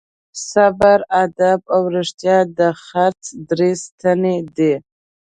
صبر، ادب او رښتیا د خرڅ درې ستنې دي.